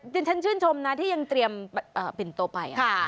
ฉันชื่นชมนะที่ยังเตรียมปิ่นตัวไป